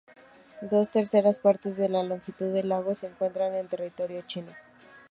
Dos terceras partes de la longitud del lago se encuentran en territorio chino.